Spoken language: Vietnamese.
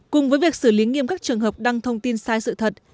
cùng với việc xử lý nghiêm các trường hợp đăng thông tin sai sự thật